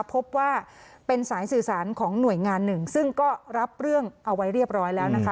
พบว่าเป็นสายสื่อสารของหน่วยงานหนึ่งซึ่งก็รับเรื่องเอาไว้เรียบร้อยแล้วนะคะ